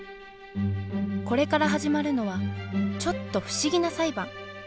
これから始まるのはちょっと不思議な裁判。